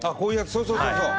そうそうそうそう！